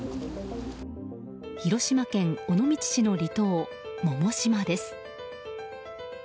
広島県尾道市の離島・百島です。